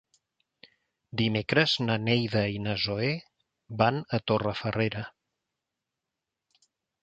Dimecres na Neida i na Zoè van a Torrefarrera.